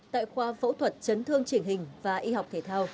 tại khoa phẫu thuật chấn thương trình hình và y học